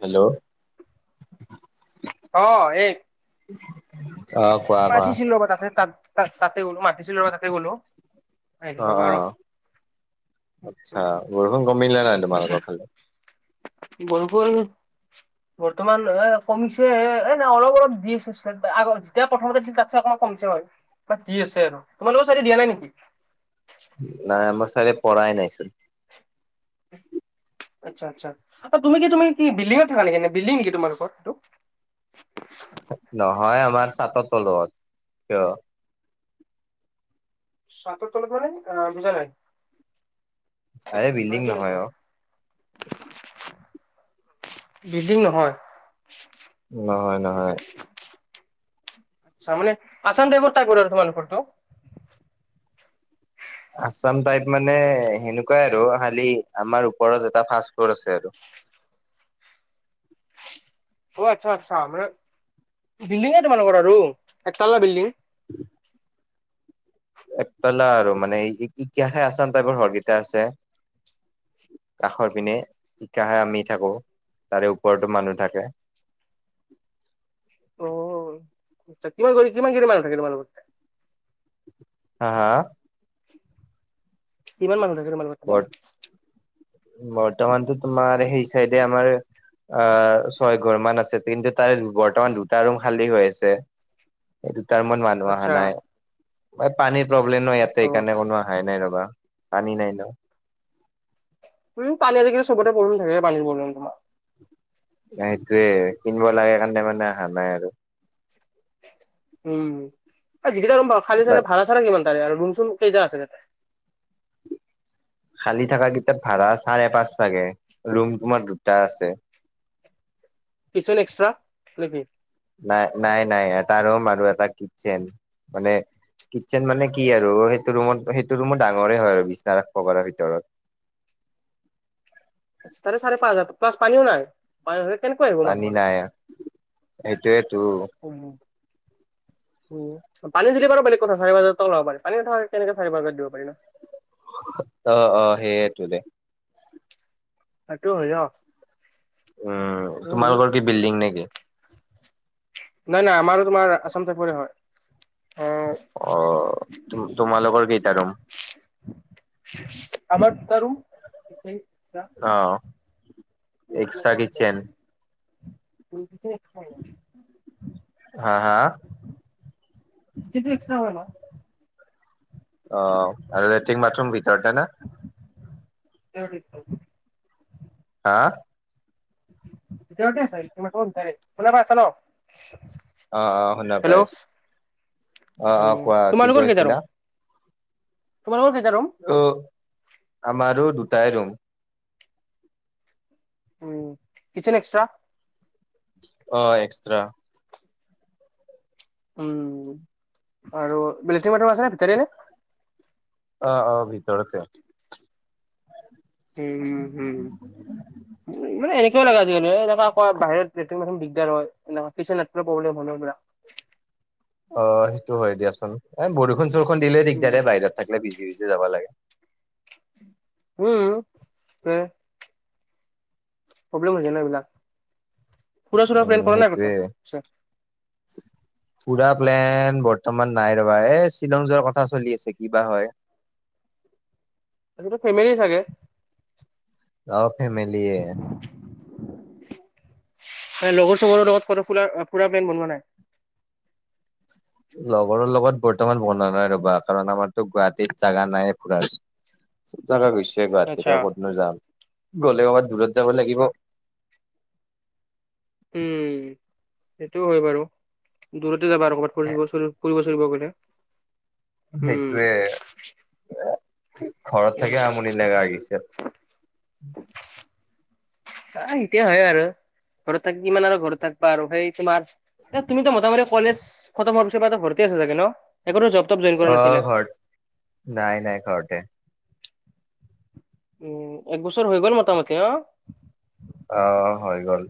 Hello অ এই অহ মাতিছিল ৰবা তাত তাতে তাত গলো মাতিছিলি ৰবা তাতে গ'লো আহিলো অ ৰ'বা আৰু অহ আচ্ছা বৰষুণ কমিল নে নাই পিছে তোমালোকৰ ফালে বৰষুণ বৰ্তমান এ কমিছে এ নাই অলপ অলপ দিছে আগত এতিয়া প্ৰথমতে দিছিল তাতছে অকণমান কমছে বাৰু বাদ দি আছে আৰু তোমালোকৰ চাইদে দিয়া নাই নেকি নাই আমাৰ ছাইদে পঢ়াই নাইচোন আচ্ছা আচ্ছা তুমি কি তুমি কি বিলডিংত থাকা নেকি কি বিলডিং নেকি তোমলোকৰটো নহয় আমাৰ চাদৰ তলত কিয় চাদৰ তলত মানে আহ বুজা নাই আৰে বিল্ডিং কৈ কি নহয় আছা অ বিল্ডিং নহয় নহয় নহয় আচ্ছা মানে আছাম টাইপৰ টাইপ মানে তোমালোকৰ তো আছাম টাইপ মানে সেনেকুৱাই আৰু খালি আমাৰ ওপৰত এটা ফাষ্ট ফ্লোৰ আছে আৰু অ আচ্ছা আচ্ছা মানে বিল্ডিঙে তোমালোকৰ আৰু এক তালা বিল্ডিং [unintelligible] একতলা আৰু মানে এতিয়াহে আচাম টাইপৰ ঘৰকেইটা আছে। কাষৰ পিনে ইটাহে আমি থাকো তাৰে ওপৰতো মানুহ থাকে। অ কিমান কৰি কিমান খিনি মানুহ থাকে তোমালোকৰ। হা হা কিমান মানুহ থাকে তোমালোকৰ? বৰ বৰ্তমানতো তোমাৰ সেই চাইডে আমাৰ, আ ছয় ঘৰ মান আছে কিন্তু তাৰে বৰ্তমান দুটা ৰুম খালী হৈ আছে। সেইদুটা ৰুম মানুহ অহা আচ্ছা নাই এই পানীৰ প্ৰব্লেম ন ইয়াতে অ সেইকাৰণে কোনো আহা নাই, নাই নাই ৰবা পানী নাই ন, উম পানী আজিকালি চবতে প্ৰব্লেম থাকে পানীৰ প্ৰব্লেম তোমাৰ, সেইটোয়ে কিনিব লাগে কাৰণে মানে অহা নাই আৰু, উম এ যিকেইটা ৰুম বাৰু খালি বাট চালি ভাড়া চাড়া কিমান তাৰে আৰু ৰুম চুম কেইটা আছে তাতে, খালী থাকা কেইটাত ভাড়া চাৰে পাঁচ চাগে ৰুম তোমাৰ দুটা আছে। কিচেন এক্সট্ৰা নেকি? নাই নাই নাই এটা ৰুম আৰু এটা কিটচেন মানে, কিটচেন মানে কি আৰু সেইটো ৰুমত সেইটো ৰুমো ডাঙৰে হয় আৰু বিছনা ৰাখবা পাৰা ভিতৰত। তাৰে চাৰে পাঁচ হাজাৰ প্লাছ পানীও নাই, পানী নহলে কেনেকুৱা, পানী নাই সেইটোৱেতো। উম পানী যদি পাৰো বেলেগ কথা চাৰে পাঁচ হাজাৰ টকা ল'ব পাৰে পানী নথকাকে কেনেকে চাৰে পাঁচ হাজাৰ টকা দিব পাৰিবা। অ অ সেইয়ে তো দে সেইটো হয় ন উম তোমালোকৰ কি বিল্ডিং নেকি? নাই নাই আমাৰো তোমাৰ আসাম টাইপৰে হয়, অ অ তোমালোকৰ কেইটা ৰুম? আমাৰ দুটা ৰুম মেইন দুটা, অ এক্সট্ৰা কিটচেন [unintelligible] হাঁ, হাঁ! [unintelligible] অঁ! আৰু লেট্ৰিন-বাথৰুম ভিতৰতে না? [unintelligible] হাঁ ভিতৰতে আছে, বাহিৰলৈ যাব নালাগে কল্পনাৰ আছে ন? অঁ, অঁ! শুনা পাই আছোঁ! অঁ, অঁ! উম কোৱা কি তোমালোকৰ কৈ কেইটা ৰুম আছিলা? তোমালোকৰ কেইটা ৰূম? উম! আমাৰো দুটাই ৰুম। উম! Kitchen extra? অঁ! এক্সট্ৰা। উম! আৰু লেট্ৰিন-বাথৰূম আছেনে ভিতৰতে নে? অঁ, অঁ! ভিতৰতে। উম, উম উম, মানে এনে লাগে আজিকালি। এনেুৱ ক বাহিৰ লেট্ৰিন দিগদাৰ হয় এ প্ৰবলেম হল এইবাক! অ সেইটো হয় দিয়াচোন এ বৰষুণ চৰষুণ দিলে দিগদাৰ বাহিৰত থাকিলে ভিজি ভিজি যাব লাগে। উম ওম, প্ৰব্লেম হৈ যায় না এইবিলাক। ফুৰা চুৰা প্লেন উম কৰা নাই ক'তো সেইটোয়ে, পুৰা প্লেন ব ৰ্তমান নাই ৰবা, এই শ্বিলং যোৱাৰ কথা চলি আছে কিবা হয়। গোটেই ফেমিলি চাগে? অঁ ফেমিলিয়ে। লগৰ চগৰৰ লগত কটো ফুৰা ফুৰা প্লেন বনোৱা নাই? লগৰৰ লগত বৰ্তমান বনোৱা নাই ৰবা কাৰণ, আমাৰতো গুৱাহাটীত জাগা নাই ফুৰাৰ। চব জাগা গৈছো গুৱাহাটীত আচ্ছা ক'তনো যাম, গ'লে ক'ৰবাত দূৰত যাব লাগিব। উম সেইটো হয় বাৰু। দূৰতে যাবা আৰু ক'ৰবাত ফুৰি ফুৰিব চুৰিব গলে? উম। সেইটোয়ে, ঘৰত থাকি আমনি লাগা হৈ গেছে। [inaudible] আঁ এতিয়া হয় আৰু ঘৰত থাকি কিমান আৰু ঘৰত থাকিবা আৰু সেই তোমাৰ তুমিতো মোটামটি কলেজ, খতম হোৱাৰ পিছৰ পৰাতো ঘৰতে বহি আছা ন? একোতো জব তব জইন কৰা অঁ নাছিলা? ঘৰত, নাই নাই ঘৰতে। উম। এক বছৰ হৈ গ'ল মোটামোটি ন? অঁ, হৈ গ'ল।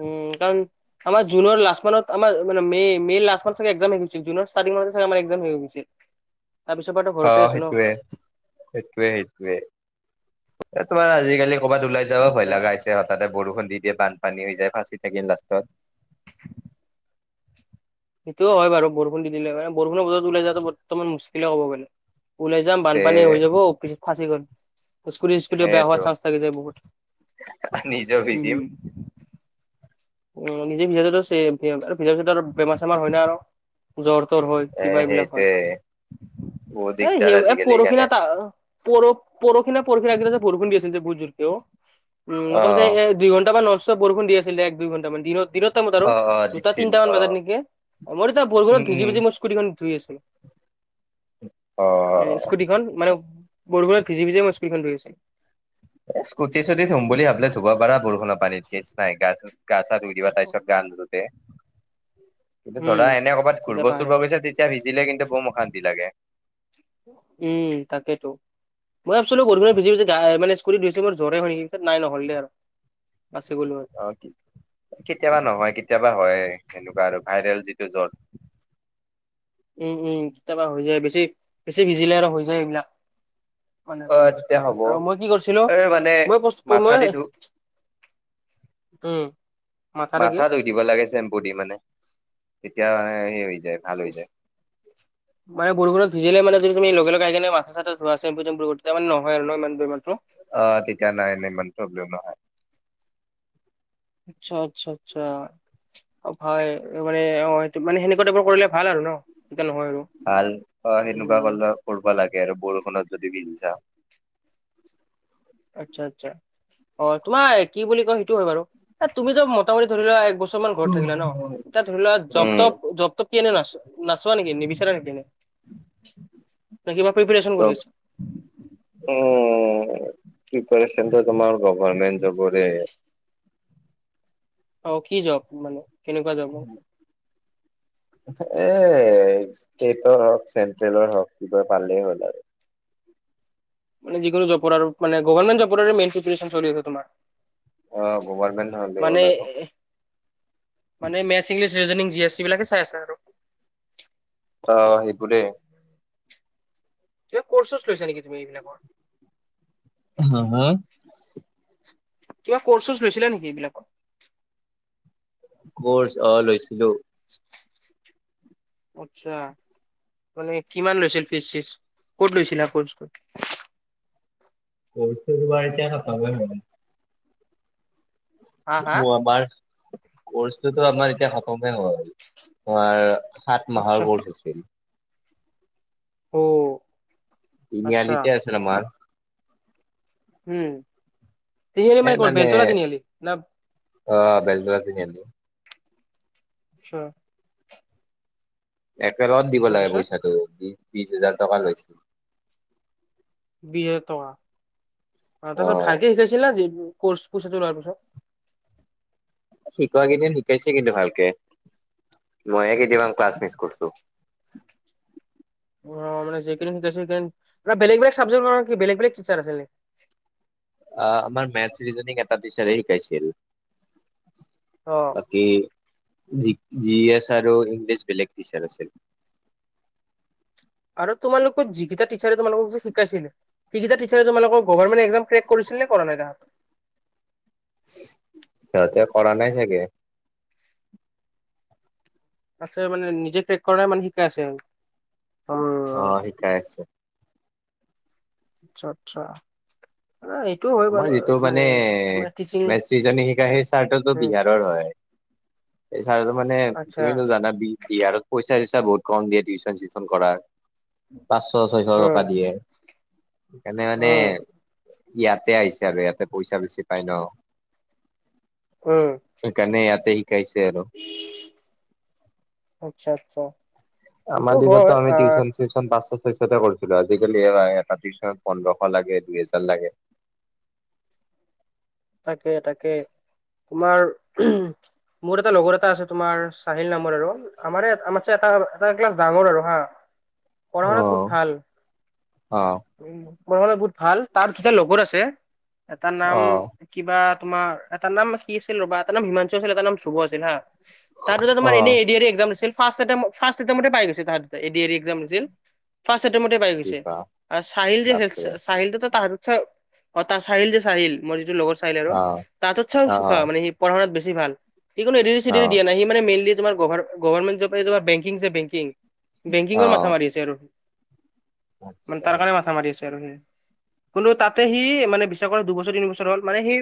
উম কাৰণ আমাৰ জুনৰ লাষ্ট মানত, আমাৰ মানে মে', মে' লাষ্ট মানত চাগে এক্সাম শেষ হৈ গৈছিল, জুনৰ ষ্টাৰ্টিঙত মানতে ধৰা হৈ হৈ গৈছিল। [inaudible] তাৰ পিছৰ পৰাতো ঘৰতে অঁ আছো ন সেইটোৱে, সেইটোৱে সেইটোৱে। এ তোমাৰ আজিকালি ক'ৰবাত ওলাই আচ্ছা যাব ভয় আচ্ছা। লগা হৈছে, হঠাতে বৰষুণ দি দিয়ে, বানপানী হৈ যায়, ফাঁচি থাকিম লাষ্টত। সেইটোও হয় বাৰু। বৰষুণ দি দিলে মানে, বৰষুণৰ বতৰত ওলাই যোৱাটো বৰ্তমান মুস্কিলে ক'ব পাৰি। ওলাই যাম, তে বানপানী হৈ যাব, অ' পিছত ফাঁচি গলে স্কুটী, স্কুটী বেয়া সেইটো হোৱাৰ চাঞ্চ থাকি যায় বহুত। নিজেও উম ভিজিম উম। নিজে ভিজাটো চেভ আৰু ভিজাৰ পিছতো বেমাৰ চেমাৰ হয় যায় আৰু। জ্বৰ চৰ হয়, এ কিবা এইবিলাক সেইটোৱে বহুত হয়। এই দিগদাৰ সে আজিকালি পৰহি নে সেইকাৰণে তাৰ পৰহি নে পৰহিৰ আগদিনা যে বৰষুণ দি আছিলে বহুত জোৰকে অ' উম, মোটামোতি অ' এক দুই ঘণ্টামান নন ষ্টপ বৰষুণ দি আছিলে এক দুই ঘণ্টামান দিনত। দিনৰ টাইমত আৰু। অ' অ' দুটা দিছিল তিনটা মান অ' বজাত নেকি। মই তেতিয়া উম, বৰষুণত ভিজি উম, ভিজি মই স্কুটীখন ধুই আছিলো। এ অ', স্কুটিখন, মানে বৰষুণত ভিজি ভিজিয়েই মই স্কুটিখন ধুই আছিলোঁ। এ স্কুটী চিস্কুটি ধুম বুলি ভাবিলে ধুব পাৰা বৰষুণৰ পানীত, কেছ নাই, গা ছা ধুই দিবা তাৰ পিছত গা নুধুতে উম, ধৰা এনে কবাত তেতিয়া ঘূৰিব পাৰে চুৰিব গৈছা তেতিয়া ভিজিলে কিন্তু বৌম অশান্তি লাগে। উম, তাকেতো। মই ভাবছিলো বৰষুণত ভিজি ভিজি গায়ে মানে স্কুটি ধুইছোঁ জ্বৰে হয় নেকি নাই নকৰিলে আৰু। বাছি গলো আৰু। কেতিয়াবা নহয় কেতিয়াবা হয় এনেকুৱা আৰু ভাইৰেল যিটো জ্বৰ। উম উম, কেতিয়াবা হৈ যায়। বেছি বেছি ভিজিলে আৰু হৈ যায় এইবিলাক। মানে ক অ', তেতিয়া হ'ব আৰু মই কি কৰছিলো এই মানে মই পচ মাথা দি মই ধু উম, মাথা মাথা ধুই দিব লাগে চেম্পুদি মানে, তেতিয়া মানে সেই হৈ যায়। ভাল হৈ যায়। [inaudible] মানে বৰষূণত ভিজিলে মানে তুমি লগে লগে আহি কিনে মাথা চাথা ধোৱা চেম্পু টেম্পো কৰি তেতিয়া মানে নহয় আৰু ন' ইমান বেমাৰটো? আঁ তেতিয়া নাই নাই ইমান প্ৰব্লেম নহয়। আচ্ছা, আচ্ছা, আচ্ছা। অ', ভাই মানে অ', এইটো মানে সেনেকুৱা টাইপৰ কৰিলে ভাল আৰু ন'। তেতিয়া নহয় আৰু। ভাল অ', সেনেকুৱা উম, কলৰ কৰবা লাগে আৰু বৰষুণত যদি ভিজিচা। আচ্ছা, আচ্ছা। অ', তোমাই কি বুলি কয় সেইটো হয় বাৰু। এ, তুমিতো মটামুটি ধৰি লোৱা এক বচ চুমন ঘৰত থাকিলা ন'। এতিয়া ধৰি লোৱা জপ উম, তপ জপ ত কি এনে নাচ-নাচোৱা নেকি? নিবিচাৰা নেকি এনে? না কিবা প্ৰিপেৰেচন কৰি চব আছ উম, প্ৰিপাৰেচনটো তোমাৰ গভাৰমেন্ট জবৰে। অ', কি জব মানে? কেনেকুৱা জব মানে? এ, ষ্টেটৰ হওঁক চেন্ট্ৰেলৰ হওঁক কিবা পালেই হ'ল আৰু। [unintelligible] যিকোনো জপৰ আৰু মানে গভাৰমেণ্ট জপৰে মেইন প্ৰিপেৰেচন চলি আছে তোমাৰ। অ' গভৰ্ণমেন্ট হ'লে মানে হ'ল আৰু এহ মানে maths, English, reasonings, G S T বিলাকে চাই আছা আৰু। অ', সেবোৰে। [unintelligible] কৰ্চ চৰ্চ লৈছা নেকি তুমি এনেকুৱা? হা, হা? কিবা কৰ্চ - চৰ্চ লৈছিলা নেকি এইবিলাকত? কৰ্চ অ', লৈছিলো। [inaudible] আচ্ছা। মানে কিমান লৈছিল ফিছ চিচ? ক'ত লৈছিলা কৰ্চটো? কৰ্চেটো তোমাৰ এতিয়া [unintelligible] জানে। হা হা ও, আমাৰ কৰ্চটোতো আমাৰ এতিয়া খতমে হ'ল। তোমাৰ সাত আচ্ছা মাহৰ কৰ্চ আছিল। অ'। আচ্ছা তিনিআলিতে আছিল আমাৰ। উম। তিনিআলি এ, ক'ত মানে বেলতলা তিনিআলি না আ, বেলতলা তিনিআলি। আচ্ছা। একেলগত দিব লাগে তাৰপিছত পইচাটো। বি-বিশ হাজাৰ টকা লৈছি। বি হাজাৰ টকা। অ', তাৰপিছত অ' ভালকে শিকাইছিল না যি কৰ্চ [unintelligible] শিকোৱা কেইদিন শিকাইছে কিন্তু ভালকে। ময়ে কেইদিমান ক্লাছ মিচ কৰছো। অ', মানে যেইকেইদিন শিকাইছি সেকেদিন না বেলেগ বেলেগ চাবজেক্টৰ কাৰনে কি বেলেগ বেলেগ টিচাৰ আছিল নে আ, আমাৰ মেথছ, ৰিজনিং এটা টিচাৰে শিকাইছিল। অ'। বাকী জি-জি এছ আৰু ইংলিছ বেলেগ টিচাৰ আছিল। আৰু তোমালোকৰ যিকেইটা টিচাৰে তোমালোকক যে শিকাইছিল। সিকেইটা টিচাৰে তোমালোকক গভাৰমেণ্ট একজাম ক্ৰেক কৰিছিল নে কৰা নাই তাহাত? সিহঁতে কৰা নাই চাগে। আছে মানে নিজে ক্ৰেক কৰাই মানে শিকাই আছে আৰু। উম অ' শিকাই আছে। আচ্ছা আচ্ছা, আ‌ এই তোমাৰ এইটো মানে মেচচিজনে শিকাই সেই চাৰটো টো উম বিহাৰৰ হয়। এই চাৰটো মানে আচ্ছা তুমিতো জানা বি বিহাৰত বহুত কম‌ দিয়ে পইচা চইচা বহুত কম দিয়ে টিউচন চিউশন কৰাৰ। পাঁচশ ছয়শ উম টকা দিয়ে, সেইকাৰণে মানে উম ইয়াতে আহিছে আৰু ইয়াতে পইচা বেছি পাই ন উম সেই কাৰনে ইয়াতে শিকাইছে আৰু আচ্ছা আচ্ছা সেইটো আমাৰ দিনটো হয় আমি আহ টিউশন চিউচন পাঁচছ ছয়ছতে কৰিছো আজিকালি এই এটা টিউচনত পোন্ধশ লাগে দুই হেজাৰ লাগে তাকে তাকে তোমাৰ মোৰ এটা লগৰ এটা আছে তোমাৰ চাহিল নামৰ আৰু আমাৰে আমাতচে এটা এটা ক্লাছ ডাঙৰ আৰু হা [inaudible] পঢ়া শুনাত বহুত ভাল অ পঢ়া শুনাত বহুত ভাল তাৰ দুটা লগৰ আছে এটাৰ নাম অ কিবা তোমাৰ এটা নাম কি আছিল ৰবা এটা নাম হিমাংশু আছিল এটাৰ নাম ধ্ৰুব আছিল হা তাহাত দুটা অ তোমাৰ এনেই A D R E exam দিছিল ফাষ্ট এটেম ফাষ্ট এটেমতেই পাই গৈছিল তাহাত দুটা A D R E exam দিছিল ফাৰ্ষ্ট এটেমতে পাই কি গৈছে কোৱা আৰ চাহিল যে চেচ বাপৰে চেচ চাহিল টোতো তাহাঁতে অতা চাহিল যে চাহিল মোৰ যিটো লগৰ চাহিল আৰু অ তাহাতচেও অ চোকা মানে সি প়ঢ়া শুনাত বেছি ভাল সি কোনো এ দি আৰ ই চে দি অ আৰ ই দিয়া নাই সি মানে মেইনলি তোমাৰ গভা গভাৰমেন্ট জব সেই তোমাৰ বেংকিং যে বেংকিং অ বেংকিঙৰ মাথা মাৰি আছে আৰু মানে আচ্ছা তাৰ কাৰণে মাথা মাৰি আছে আৰু সি বোলো তাতে সি মানে বিশ্বাস কৰা দুবছৰ তিনি বছৰ হ'ল মানে সি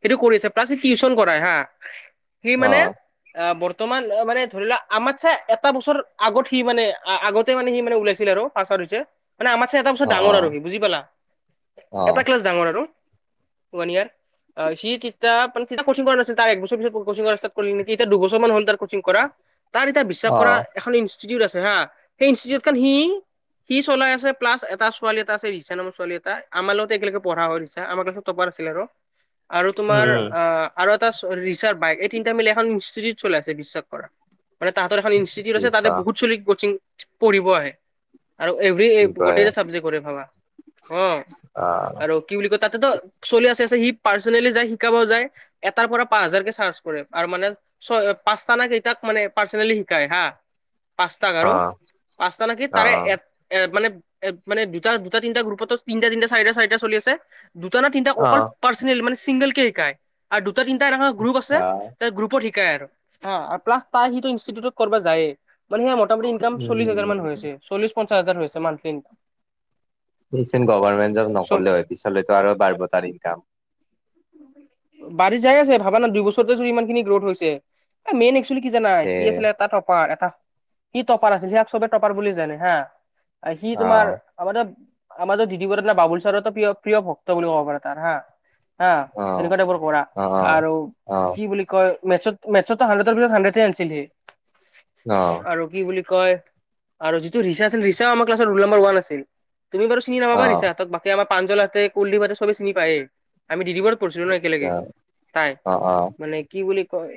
সেইটো কৰি আছে প্লাছ সি টিউচন কৰাই হা সি অ মানে অ বৰ্তমান অ মানে ধৰি লোৱা আমাতচে এটা বছৰ আগত সি মানে আগতে মানে সি মানে ওলাইছিল আৰু ফাচত হৈছে মানে আমাতচে এটা বছৰ অ ডাঙৰ আৰু সি বুজি পালা অ অ এটা ক্লাছ ডাঙৰ আৰু সমনীয়াৰ অ সি তেতি মান তেতিয়া কচিং কৰা নাছিল তাৰ এক বছৰ পিছত কচিং কৰা ষ্টাট কৰিলে নিকি এতিয়া দুবছৰমান হল তাৰ কচিং কৰা তাৰ এতিয়া বিশ্বাস অ কৰা এখন ইনষ্টিটিউট আছে হা সেই ইনষ্টিটিউটখন সি সি চলাই আছে প্লাচ এটা ছোৱালী এটা আছে ৰিচা নামৰ ছোৱালী এটা আমাৰ লগতে একেলগে পঢ়া হয় ৰিচা আমাৰ ক্লাছত টপাৰ আছিল আৰো আৰু তোমাৰ উম উম আ আৰু এটা ৰিচাৰ বাইক এই তিনিটা মিলি এখন ইনষ্টিটিউট চলাই আছে বিশ্বাস কৰা মানে তাঁহাতৰ ফালে এখন ইনষ্টিটিউট কি আছে তাতে কোৱা বহুত ছলি কোচিং পঢ়িব আহে আৰু এভৰী কি কয় গোটেইকেইটা চাবজেক্টৰে ভাবা অ অ আৰু কি বুলি কয় তাতে ত চলি আছে আছে সি পাৰ্চনেলি যাই শিকাব যায় এটাৰ পৰা পাঁচ হাজাৰ কে চাৰ্জ কৰে পাৰমানেন ছয় পাঁচটা না কেইটাক মানে পাৰ্চনেলি শিকায় হা পাঁচটাক আৰু অ পাঁচটা নে কি অ তাৰে এট এ মানে এ মানে দুটা দুটা তিনিটা গ্ৰুপতো তিনটা তিনটা চাৰিটা চাৰিটা চলি আছে দু দুটা না তিনিটা অ অকল পাৰ্চনেলি মানে চিংগল কে শিকায় আৰু দুটা তিনটা এনেকা গ্ৰুপ আচ্ছা আছে তাৰ গ্ৰুপত শিকাই আৰু আহ আৰু প্লাচ তা সিটো ইনষ্টিটিউটত কৰবা যায়ে মানে সেয়া মোটামুটি ইনকাম চল্লিশ হাজাৰ মান উম হৈছে চল্লিশ পঞ্চাছ হাজাৰ হৈছে মানতিন সি চোন গভাৰ্মেণ্ট জব চব নকৰলেও হয় পিছলেতো আৰু বাৰব তাৰ ইনকাম বাঢ়ি যায় আছে ভাবা না দুই বছৰতে যদি ইমান খিনি গ্ৰৌত হৈছে এ মেইন এক্সলি কি জানা তে সি আছিলে এটা টপাৰ এটা সি টপাৰ আছিল, সিয়াক চবে টপাৰ বুলি জানে হা, সি অ তোমাৰ আমাদেৰ আমাদেৰ দীদী বা বাবুল ছাৰৰো প্ৰিয় প্ৰিয় ভক্ত বুলি ক'ব পাৰা তাৰ হা, হা। অ এনেকুৱা তাইপৰ‌ পৰা, অ আৰু অ কি বুলি কয় মেটচত মেটচটো হান্ড্ৰেডৰ ভিতৰত হান্ড্ৰেডে আনছিল সি। অ'। আৰু কি বুলি কয়, যিটো ৰিচা আছিল ৰিচা আমাৰ ক্লাছৰ ৰোল নাম্বাৰ ওৱান আছিল, তুমি বাৰু চিনি অ নাপাবা ৰিচাহতক বাকি আমাৰ প্ৰান্জলহতে, কুলদীপহতে চবে চিনি পায়েই, আমি দীদীবৰ পঢ়িছিলো ন আচ্ছা একেলগে। তাই, অ অ মানে কি বুলি কয়